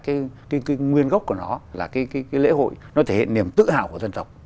cái nguyên gốc của nó là cái lễ hội nó thể hiện niềm tự hào của dân tộc